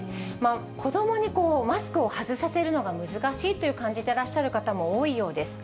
子どもにマスクを外させるのが難しいと感じてらっしゃる方も多いようです。